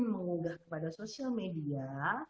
mengugah kepada sosial media